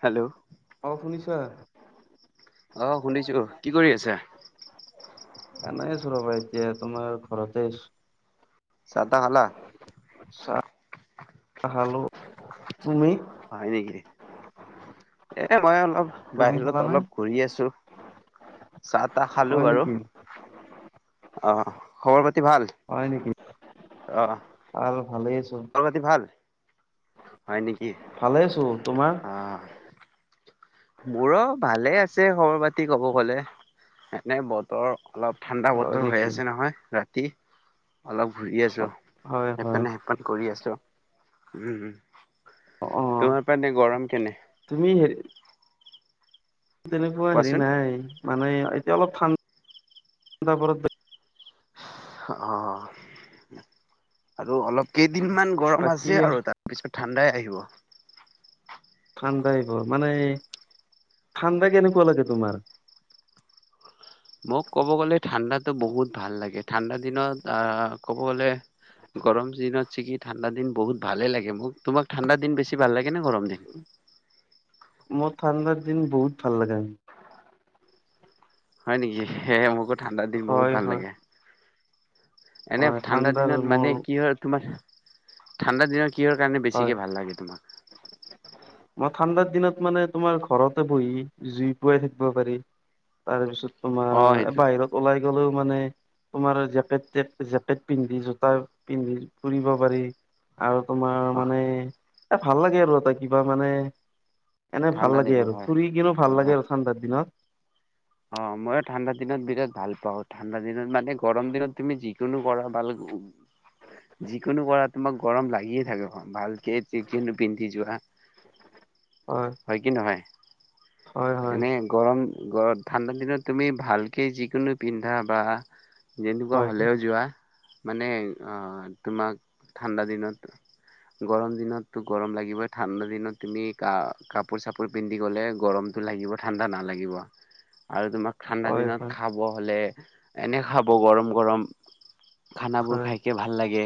Hello [unintelligible] আহ শুনিছো কি কৰি আছা এনেই আছো ৰবা এতিয়া তোমাৰ ঘৰতে আছো চাতাহ খালা চা খালো তুমি হয় নেকি এ মই অলপ তুমি বাহিৰত খালানে অলপ ঘূৰি আছো চাহ তাহ খালো হয় বাৰু নেকি অ খবৰ পাতি ভাল হয় নেকি? অ ভালেই আছো। খবৰ পাতি ভাল হয় নেকি? ভালে আছো তোমাৰ? মোৰ অ ভালে আছে খবৰ পাতি ক'ব গ'লে এনে বতৰ অলপ ঠাণ্ডা হয় বতৰ হৈ নেকি আছে নহয় ৰাতি অলপ ঘূৰি আছোঁ হয় হয় সেপেনে সেপেন কৰি আছোঁ অ । তোমাৰ পানে গৰম কেনে? তুমি হেৰি তেনেকুৱা হেৰি কোৱাচোন? নাই মানে এতিয়া অলপ ঠাণ্ডা অ অ আৰু অলপক দিন ম গৰম আছে আৰু তাৰ পিছত ঠাণ্ডাই আহিব। ঠাণ্ডা আহিব মানে ঠাণ্ডা কেনেকুৱা লাগে তোমাৰ মোক ক'ব গ'লে ঠাণ্ডাতো বহুত ভাল লাগে ঠাণ্ডা দিনত আহ ক'ব গ'লে গৰম দিনত [unintelligible] ঠাণ্ডা দিন বহুত ভালে লাগে মোক তোমাক ঠাণ্ডা দিন বেছি ভাল লাগে নে গৰম দিন [unintelligible] মোৰ ঠাণ্ডাৰ দিন বহুত ভাল লাগে। হয় নেকি স মোকো ঠাণ্ডা দিন বহুত হয় ভাল হয় লাগে। এনে হয় ঠাণ্ডা ঠাণ্ডাৰ দিনত মানে মোৰ কি হয় তোমাৰ ঠাণ্ডা দিনত। কিহৰ কাৰণে হয় বেছিকে ভাল লাগে তোমাক। মই ঠাণ্ডাৰ দিনত মানে তোমাৰ ঘৰতে বহি জুই পোৱাই থাকিব পাৰি। তাৰপিছত অ তোমাৰ সেইটো বাহিৰত ওলাই গ'লেও মানে তোমাৰ জেট জেকেট পিন্ধি জোতা পিন্ধি ফুৰিব পাৰি আৰু তোমাৰ অ মানে এ ভাল লাগে আৰু এটা কিবা মানে এনে ভাল ঠাণ্ডা লাগে দিনত আৰু হয় ফুৰি কিনো অ ভাল লাগে আৰু ঠাণ্ডাৰ দিনত অ ময়ো ঠাণ্ডা দিনত বিৰাট ভাল পাওঁ ঠাণ্ডা দিনত মানে গৰম দিনত তুমি যিকোনো কৰা ভাল। [unintelligible] যিকোনো কৰা তোমাক গৰম লাগিয়ে থাকে ভালকে যিকোনো পিন্ধি যোৱা হয় কি নহয় হয় হয় এনেই গৰম গ ঠাণ্ডা দিনত তুমি ভালকৈ যিকোনো পিন্ধা বা যেনেকুৱা হয় হ'লেও যোৱা। মানে তোমাক ঠাণ্ডা দিনত গৰম দিনতটো গৰম লাগিবই ঠাণ্ডা দিনত তুমি কা কাপোৰ চাপোৰ পিন্ধি গ'লে গৰম সটো লাগিব ঠাণ্ডা নালাগিব। আৰু তোমাক ঠাণ্ডা হয় দিনত হয় খাব হ'লে এনেক খাব গৰম গৰম খানাবোৰ হয় খাইকে ভাল লাগে।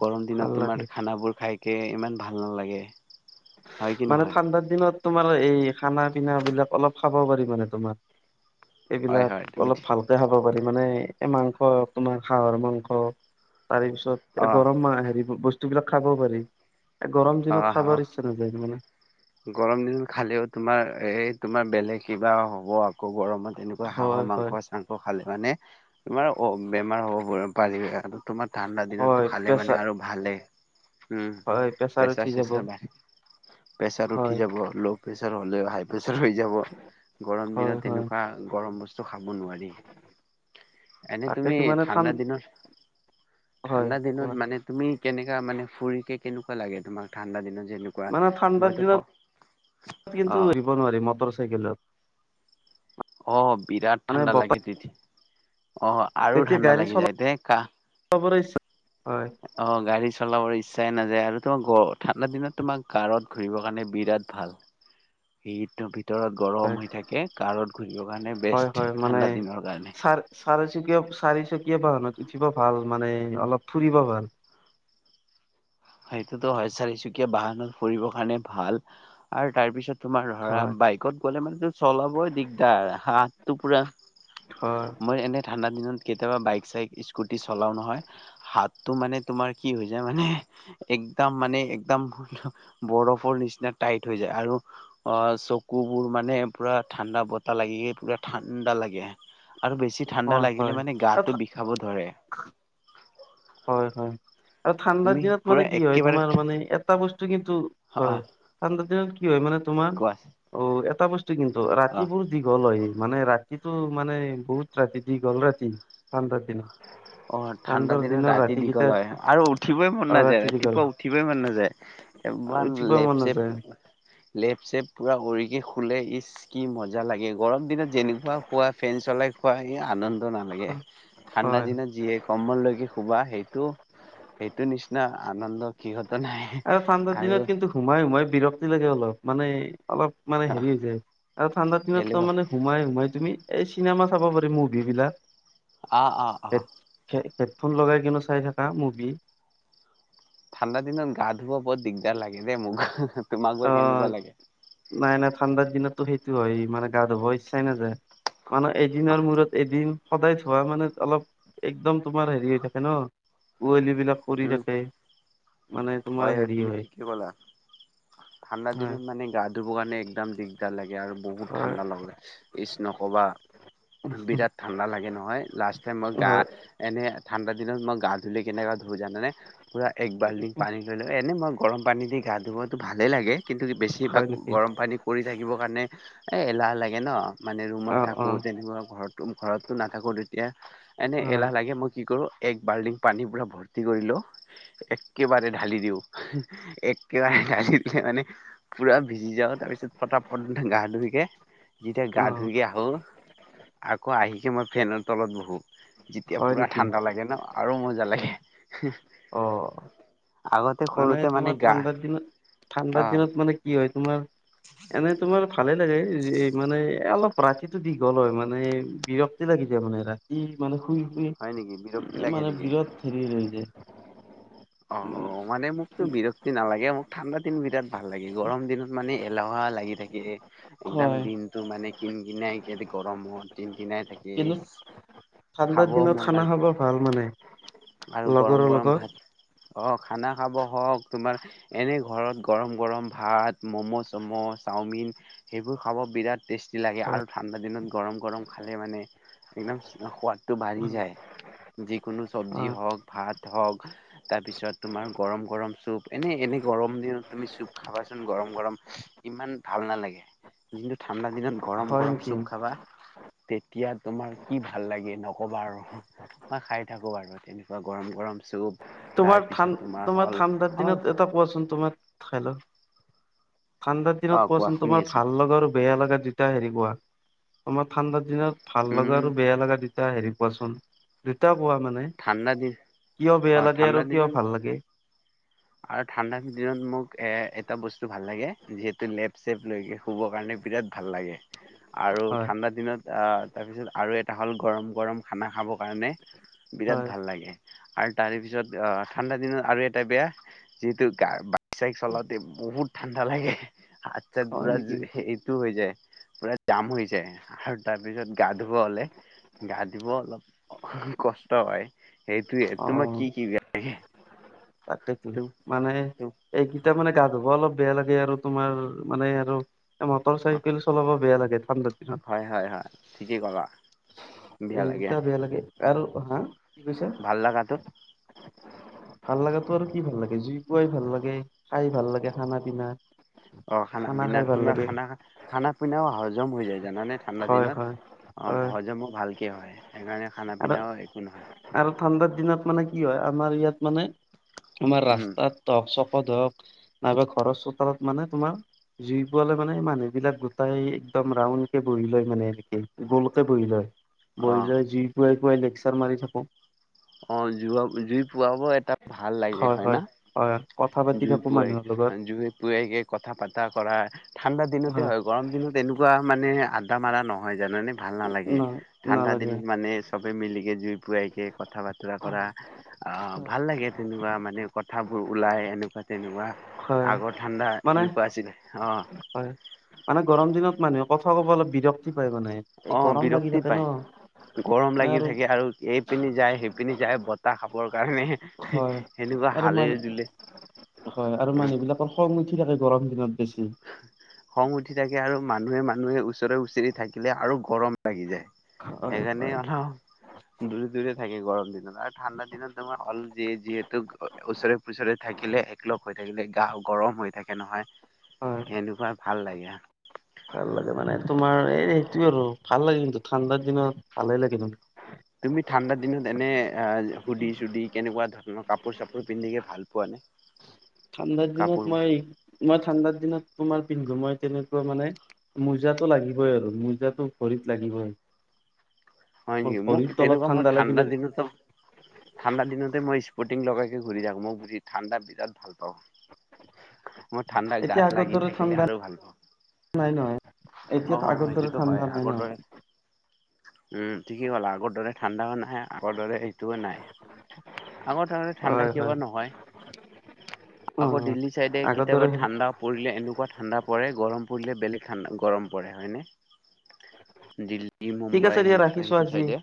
গৰম ভাল দিনত তোমাৰ লাগে। খানাবোৰ খাইকে ইমান ভাল নালাগে। হয় কি মানে নহয় ঠাণ্ডাৰ দিনত তোমাৰ এই খানা-পিনাবিলাক অলপ খাব পাৰি মানে তোমাৰ। হয় হয় এইবিলাক তুমি অলপ ঠিক ভালকে খাব পাৰি মানে। এই মাংস, তোমাৰ হাঁহৰ মাংস তাৰে পিছত অ এ গৰম মা- হেৰি বস্তুবিলাক খাব পাৰি। এই গৰম অ দিনত খাব অ ইচ্ছা ন গৰম দিন খালেও তোমাৰ এই তোমাৰ বেলেগ কিবা হ'ব আকৌ গৰমত। তেনেকুৱা হাঁহৰ হয় হয় মাংস-চাংস খালে মানে, তোমাৰ অ'- বেমাৰ হ'ব পুৰা [unintelligible] তোমাৰ ঠাণ্ডা হয় দিনতো খালে মানে প্ৰেছাৰ আৰু ভালে। উম হয় উঠি প্ৰেছাৰ যাব চেচাৰ বাৰে। প্ৰেছাৰ উঠি হয় যাব ল' প্ৰেছাৰ হ'লেও হাই প্ৰেছাৰ হৈ যাব। গৰম হয় দিনত হয় তেনেকুৱা গৰম বস্তু খাব নোৱাৰি। এনে তুমি তাকেইতো মানে ঠান ঠাণ্ডা দিনত হয় ঠাণ্ডা কোৱা দিনত মানে তুমি কেনেককা মানে ফুৰি কে কেনেকুৱা লাগে তোমাক ঠাণ্ডা দিনত যেনেকুৱা মানে ঠাণ্ডাৰ মইতো ক অ কিন্তু ফুৰিব নোৱাৰি মটৰ চাইকেলত অ বিৰাট মানে ঠাণ্ডা বতাহ লাগে তেতিয়া অ' আৰু তেতিয়া ঠাণ্ডা গাড়ী লাগি যায় । এনে কাহ। চলাবলৈ ইচ্ছা হয় অ' গাড়ী চলাবৰ ই চ্ছাই নাযায় । আৰু তোমাৰ গ- ঠাণ্ডা দিনত তোমাক কাৰত ঘূৰিবৰ কাৰণে বিৰাট ভাল। সেয়েটো ভি ভিতৰত গৰম হৈ থাকে । কাৰত ঘূৰিবৰ কাৰণে হয় বেষ্ট, হয় মানে ঠাণ্ডা দিনৰ কাৰণে। চাৰ চাৰিচকীয়া চাৰিচকীয়া বাহনত উঠিব ভাল, মানে অলপ ফুৰিব ভাল। সেইটোতো হয়, চাৰিচকীয়া বাহনত ফুৰিবৰ কাৰণে ভাল । আৰু তাৰ পিছত তোমাৰ ধৰা, হয় বাইকত গ'লে মানেতো চলাবই দিগদাৰ। হাতটো পুৰা হয় মই এনে ঠাণ্ডাত দিনত কেতিয়াবা বাইক-চাইক, স্কুটি চলাওঁ নহয়, হাতটো মানে তোমাৰ কি হৈ যায় মানে একদম মানে একদম [inaudible] বৰফৰ নিচিনা টাইট হৈ যায়। আৰু অ' চকু বোৰ মানে পুৰা ঠাণ্ডা বতাহ লাগি পুৰা ঠাণ্ডা লাগে। আৰু বেছি ঠাণ্ডা হয় হয় লাগিলে, মানে আৰু গাটো ঠা- বিষাব ধৰে। হয় - হয়, আৰু ঠাণ্ডাৰ তুমি দিনত পুৰা মানে কি হয়, একেবাৰে তোমাৰ মানে এটা বস্তু কি ন্তু অ হয়। ঠাণ্ডা দিনত কি হয় মানে তোমাৰ, কোৱা অ' এটা বস্ তু কিন্তু, অ ৰাতিবোৰ দীঘল হয় । মানে ৰা ৰাতিটো মানে বহুত ৰাতি, দীঘল ৰাতি। ঠাণ্ডাৰ দিনত। অ' ঠাণ্ডা ঠাণ্ডাৰ দিন ত দিনৰ ৰাতি দীঘল ৰাতিকেইটাত হয় আৰু উঠিবই মন অ নাযায়। ৰাতি দীঘল ৰাতিপুৱা উঠিবই মন নাযায় । ইমান উঠিব লেট মন ছেপ, নাযায় লেপ-চেপ পুৰা উৰিকে শু লে ইচ্, কি মজা লাগে । গৰম দিনত যেনেকুৱা শুৱা, ফেন চলাই শুৱা । এই আনন্ দ নালাগে। ঠাণ্ডা হয় দিনত যিয়ে কম্বললৈকে শুবা সেইটো সেইটো নিচিনা আনন্দ কিহত আৰু ঠাণ্ডাৰ দিনত কিন্তু সোমাই সোমাই বিৰক্তি লাগে অলপ মানে অলপ মানে অহ হেৰি হৈ যায় আৰু ঠাণ্ডাৰ দিনতো এলেহুৱা মানে সোমাই সোমাই তুমি এই চিনেমা চাব পাৰি মুভি বিলাক অঁ অঁ অঁ হেড হেডফোন লগাই কিনু চাই থাকা মুভি ঠাণ্ডা দিনত গা ধুও বৰ দিগদাৰ লাগে দেই মোক তোমাক গৈ অ কেনেকুৱা লাগে নাই নাই ঠাণ্ডাত দিনতো সেইটো হয় মানে গা ধুব ইচ্ছাই নাযায় মানে অ এদিনৰ মূৰত এদিন সদায় থোৱা মানে অলপ একদম তোমাৰ হেৰি হৈ থাকে ন কুৱলি বিলাক পৰি উম থাকে মানে তোমাৰ হয় হয় হেৰি তুমি ঠিকে ক'লা ঠাণ্ডা হয় দিনত মানে গা ধুব কাৰণে একদম দিগদাৰ লাগে আৰু বহুত হয় ঠাণ্ডা লাগে নক'বা বিৰাট ঠাণ্ডা লাগে নহয় লাষ্ট টাইম মই গা হয় এনে ঠাণ্ডা দিনত মই গা ধুলে কেনেকুৱা ধো জানেনে পূৰা একবালটিং ল ল এনেই মই গৰম পানী দি গা ধুবতটো ভালেই লাগে কিন্তু বেছিভাগ হয় নেকি গৰম পানী কৰি থাকিবৰ কাৰণে। এ এ লাহ লাগে ন। মানে ৰুমত অ অ থাকোঁ তেনেকুৱা ঘো ঘৰতো নাথাকোঁ তেতিয়া এনেই অ এলাহ লাগে মই কি কৰোঁ। এক বাল্ডিং পানীৰ পুৰা ভৰ্তি কৰিলো এক। একেবাৰে ঢালি দিওঁ একেবাৰে ঢালি দিলে মানে পুৰা ভিজি যাওঁ তাৰপিছত । গা ধুৰিকে। যেতিয়া অ গা ধুই আহোঁ আকৌ আহিকে মই ফেনৰ তলত বহোঁ। যেতিয়া হয় পুৰা নেকি ঠাণ্ডা লাগে ন আৰু মজা লাগে অ আগতে মানে সৰুতে তোমাৰ গা ঠাণ্ডাৰ দিনত অ ঠাণ্ডাৰ দিনত মানে কি হয় তোমাৰ এনে তোমাৰ ভালে লাগে মানে অলপ ৰাতিটো দীঘল হয় মানে বিৰক্তি লাগি যায় মানে ৰাতি মানে হয় নেকি বিৰক্তি শুই লাগে মানে নেকি? বিৰত হেৰি ৰৈ যায়। অ মানে মোকতো বিৰক্তি নালাগে মোক ঠাণ্ডা দিন বিৰাট ভাল লাগে গৰম দিনত মানে এলেহুৱা লাগি থাকে। একদম হয় দিনটো মানে কিন কিনে গৰমত। কিনাই থাকে কিন্তু ঠাণ্ডাৰ খাব দিনত মন খানা নাযায়। খাব ভাল মানে আৰু গৰম লগৰৰ গৰম লগত ভাত। অ খানা খাব হওক তোমাৰ এনেই ঘৰত গৰম গৰম ভাত মম' চ'ম'চ। চাওমিন সেইবোৰ খাব বিৰাট--। টেষ্টি লাগে আৰু ঠাণ্ডা দিনত গৰম গৰম খালে মানে একদম সোৱাদ। তটো বাঢ়ি যায় অ যিকোনো চব্জি হওক ভাত হওক। তাৰপিছত তোমাৰ গৰম গৰম চুপ এনেই এনেই গৰম দিনত তুমি চুপ খাবাচোন গৰম গৰম। ইমান ভাল নালাগে কিন্তু ঠাণ্ডা দিনত গৰম হয় গৰম নেকি চুপ খাবা। তেতিয়া তোমাৰ কি ভাল লাগে নকবা আৰু মই খাই থাকো। নকবা আৰু তেনেকুৱা গৰম গৰম। চুপ তোমাৰ তাৰপিছত তোমাৰ হ'ল ঠাণ্ডাৰ আমাৰ দিনত এটা পোৱাচন তোমাৰ খাই ল। ঠাণ্ডাৰ অ দিনত কোৱা কোৱাচোন শুনি তোমাৰ আছোঁ ভাল লগা আৰু বেয়া লগা দুটা হেৰি কোৱা তোমাৰ ঠাণ্ডা। দিনত ভাল লগা উম আৰু বেয়া লগা দুটা হেৰি কোৱাচোন দুটা। কোৱা মানে ঠাণ্ডা দিন। কিয় অ বেয়া লাগে ঠাণ্ডা আৰু কিয় দিনত ভাল লাগে। আৰু ঠাণ্ডা দিনত মোক এটা বস্তু ভাল লাগে যিহেতু লে। চেপ লৈকে শুবৰ কাৰণে বিৰাট ভাল লাগে আৰু হয় ঠাণ্ডা দিনত। তাৰপিছত আৰু এটা হ'ল গৰম গৰম খানা খাবৰ কাৰণে বিৰাট হয় ভাল লাগে। আৰু তাৰে পিছত অ ঠাণ্ডা দিনত আৰু এটা বেয়া যিহেতু গা--। চাই চলাওঁতে বহুত ঠাণ্ডা লাগে হাত চাত হয় পোৰা নেকি এইটোও হৈ যায়। পুৰা জাম হৈ যায় আৰু তাৰপিছত গা ধুব হলে গা ধুব অলপ। কষ্ট হয় সেইটোয়ে তোমাৰ কি কি বেয়া লাগে? তাকে কি মানে এইটোতে মানে। গা ধুবা অলপ বেয়া লাগে আৰু তুমাৰ মানে আৰু মটৰ চাইকেল চলাব বেয়া লাগে ঠাণ্ডাত। হয় হয় হয় ঠিকে কবা। এইকেইটাই বেয়া লাগে আৰু হা। কি কৈছা ভাল লগাটো। ভাল লগাতো আৰু কি ভাল লাগে জুই ফুৱাই ভাল লাগে খাই ভাল লাগে খানা পিনা। অ খানা পিনা খাই ভাল তোমাৰ লাগে খানা খানা পিনাও হজম হৈ যায়। জানানে ঠাণ্ডা হয় দিনত হয় অ হয় হজমো ভালকে হয় সেইকাৰণে। খানা আৰু পিনাও একো নহয়। আৰু ঠাণ্ডাৰ দিনত মানে কি হয় আমাৰ ইয়াত মানে--। তোমাৰ উম ৰাস্তাত হক চকত হওক নাইবা ঘৰৰ চোতালত মানে তোমাৰ--। জুই পোৱালে মানে মানুহবিলাক গোটাই একদম ৰাউণ্ডকে বহি লয় মানে এনেকে গ'লকে বহি লয়-। অ', বইলাৰ যি খোৱাই খোৱাই লেকচাৰ মাৰি থাকোঁ। অ', জু জুই ফোৱাব এটা ভাল লাগে হয় না। হয় কথা পাতি জুই থাকো ফুৱাই মানুহৰ লগত জুই ফুৱাইকে কথা পাতা কৰা ঠাণ্ডা দিনতে হয় গৰম দিনত তেনেকুৱা। মানে আড্ডা মাৰা নহয় জানানে ভাল নালাগে ন ঠাণ্ডা নালাগে দিনত মানে চবে মিলিকে জুই ফুৱাইকে কথা বতৰা কৰা আহ ভাল লাগে তেনেকুৱা মানে কথাবোৰ ওলাই এনেকুৱা তেনেকুৱা হয় আগৰ ঠাণ্ডা মানে এনেকুৱা আছিলে, অ', হয় মানে গৰম দিনত মানুহে কথা ক'ব অলপ বিৰক্ত---। অ বিৰক্তি পাই গৰম লাগি থাকে আৰু এইপিনি যায় সেই----। পিনি যায় বতাহ খাবৰ কাৰণে---। হয় সেনেকুৱা আৰু হালে মানে জুলে হয় আৰু উম। মানুহবিলাকৰ খং উঠি থাকে গৰম দিনত----। বেছি খং উঠি থাকে আৰু মানুহে মানুহে ওচৰে ওচৰি থাকিলে আৰু গৰম লাগি যায়। হয় সেইকাৰণে হয় অলপ দূৰে দূৰে----। থাকে গৰম দিনত আৰু ঠাণ্ডা দিনত তোমাৰ হ'ল য যিহেতু ওচৰে পুচৰে থাকিলে এককলগ হৈ থাকে। হে কাৰণে গা গৰম হৈ থাকে নহয়। হয় এনেকুৱা ভাল লাগে। ভাল লাগে মানে তোমাৰ এই সেইটো আৰু ভাল লাগে কিন্তু ঠাণ্ডাৰ দিনত ভালে লাগে কিন্তু। তুমি ঠাণ্ডা দিনত এনে আহ সুধি চুধি কেনেকুৱা [unintelligible] কাপোৰ চাপোৰ পিন্ধিকে ভাল পোৱা নাই। ঠাণ্ডাৰ দিনত মই মই ঠাণ্ডাৰ দিনত তোমাৰ পিন্ধো মই তেনেকুৱা মানে, মোজাটো লাগিবই আৰু মোজাটো ভৰিত লাগিবই। [inaudible] হয় মোৰ নেকি মোক ভৰিৰ তলত তেনেকুৱা মই ঠাণ্ডা লাগিলে দিনতো ঠাণ্ডা দিনতে মই [unintelligible] [unintelligible] লগাইকে ঘূৰি আহো, মই [unintelligible] ঠাণ্ডা বিৰাট ভাল পাওঁ। মোৰ ঠাণ্ডা এতিয়া গাত আগৰ লাগি দৰে থাকিলে ঠাণ্ডা আৰু ভাল পাওঁ। নাই নহয় এতিয়া আগৰ অ', দৰে এইটোতো হয় ঠাণ্ডা নাই আগৰ দৰে নহয় উম ঠিকে কলা আগৰ দৰে ঠাণ্ডাও নাই আগৰ দৰে সেইটোও নাই। আগৰ [unintelligible] ঠাণ্ডা হয় কিয় হয় বা নহয়। অ। আকৌ দিল্লী চাইডে আগৰ কেতিয়াবা দৰে ঠাণ্ডা পৰিলে এনেকুৱা ঠাণ্ডা পৰে গৰম পৰিলে বেলেগ ঠাণ্ডা গৰম পৰে হয়নে দিল্লী মুম্বাই ৰাখিছোঁ সেইটো আজি। চাইডে।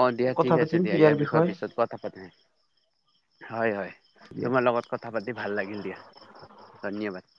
অ', দিয়া ঠিক আছে দিয়া ইয়াৰ বিষয়ে পিছত কথা পাতিম। হয়, হয় দিয়া। তোমাৰ লগত কথা পাতি ভাল লাগিল দিয়া। ধন্যবাদ।